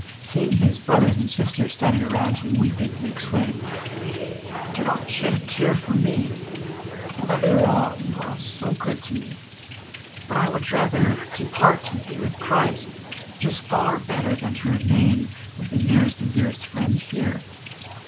Seeing his brothers and sisters standing around him weeping, he exclaimed: "Do not shed a tear for me. I love you all; you are so good to me, but I would rather depart and be with Christ, which is far better than to remain with the nearest and dearest friends here.